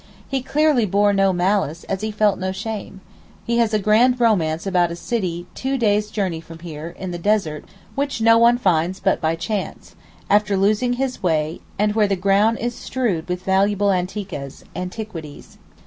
He clearly bore no malice, as he felt no shame. He has a grand romance about a city two days' journey from here, in the desert, which no one finds but by chance, after losing his way; and where the ground is strewed with valuable anteekehs (antiquities).